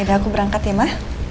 yaudah aku berangkat ya ma